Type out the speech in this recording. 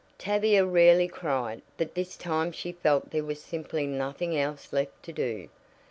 Tavia rarely cried, but this time she felt there was simply nothing else left to do.